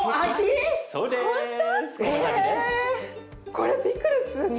これピクルスに。